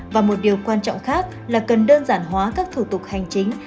và một điều quan trọng khác là cần đơn giản hóa các thủ tục hành chính